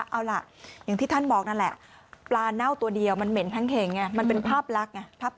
อย่างที่ท่านบอกนั่นแหละปลาเน่าตัวเดียวมันเหม็นทั้งเข่งมันเป็นภาพรัก